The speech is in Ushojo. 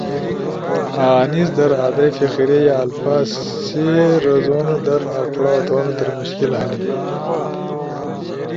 انیز در ادئی فقرے یا الفاظ سی رزون در اؤ پڑاؤ تھون در مشکل ہنی